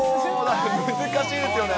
難しいですよね。